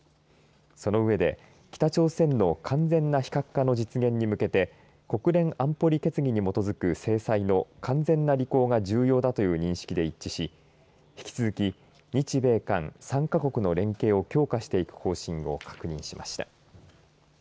その上で北朝鮮の完全な非核化に向けて国連安保理決議に基づく制裁の完全な履行が重要だという認識で一致し引き続き、日米韓３か国の連携を強化していく方針を確認しました。